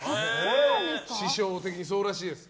師匠的にそうらしいです。